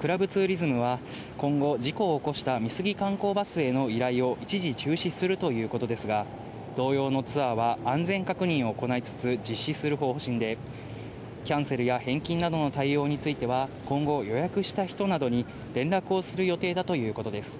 クラブツーリズムは、今後、事故を起こした美杉観光バスへの依頼を一時中止するということですが、同様のツアーは安全確認を行いつつ実施する方針で、キャンセルや返金などの対応については、今後、予約した人などに連絡をする予定だということです。